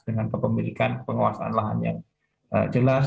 dengan kepemilikan penguasaan lahan yang jelas